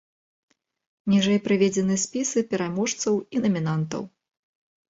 Ніжэй прыведзены спісы пераможцаў і намінантаў.